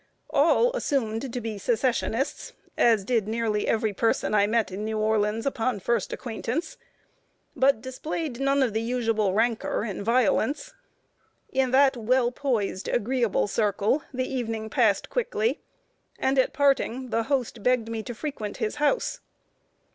All assumed to be Secessionists as did nearly every person I met in New Orleans upon first acquaintance but displayed none of the usual rancor and violence. In that well poised, agreeable circle the evening passed quickly, and at parting, the host begged me to frequent his house.